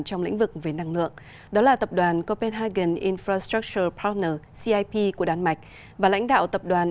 trong lĩnh vực về năng lượng đó là tập đoàn copenhagen infracial portner cip của đan mạch và lãnh đạo tập đoàn